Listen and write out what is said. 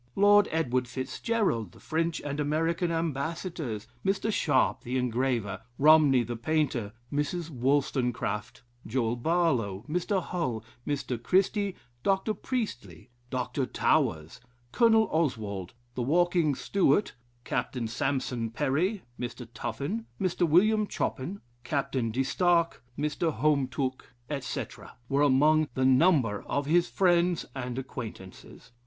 Lord Edward Fitzgerald, the French and American ambassadors, Mr. Sharp the engraver, Romney, the painter, Mrs. Wolstonecraft, Joel Barlow, Mr. Hull, Mr. Christie, Dr. Priestley, Dr. Towers, Colonel Oswald, the walking Stewart, Captain Sampson Perry, Mr. Tuffin, Mr. William Choppin, Captain De Stark, Mr. Home Tooke, etc., were among the number of his friends and acquaintances."